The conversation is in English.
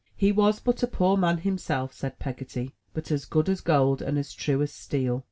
He was but a poor man him self, said Peggotty, but as good as gold and as true as steel.